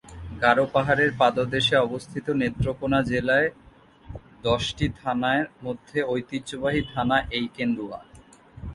গারো পাহাড়ের পাদদেশে অবস্থিত নেত্রকোণা জেলার দশটি থানার মধ্যে ঐতিহ্যবাহী থানা এই কেন্দুয়া।